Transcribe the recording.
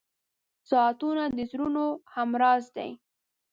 • ساعتونه د زړونو همراز دي.